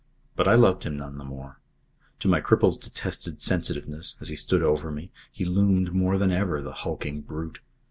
But I loved him none the more. To my cripple's detested sensitiveness, as he stood over me, he loomed more than ever the hulking brute.